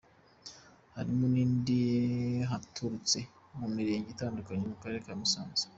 Harimo n’indi yaturutse mu mirenge itandukanye yo mu karere ka Musanze.